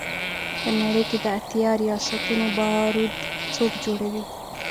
په نړۍ کې د اتیا ریاستونو بارود څوک جوړوي.